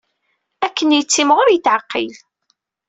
Akken yettimɣur i yetɛeqqil.